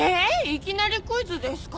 いきなりクイズですか？